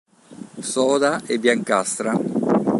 Soda e biancastra.